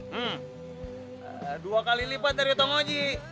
hmm dua kali lipat dari tong oji